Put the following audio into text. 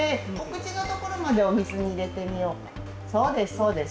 そうです